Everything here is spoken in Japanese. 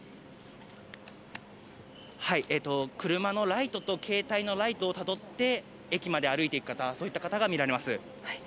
車のライトと携帯のライトをたどって駅まで歩いていく方が見られます。